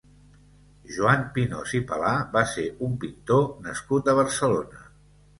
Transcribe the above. Joan Pinós i Palà va ser un pintor nascut a Barcelona.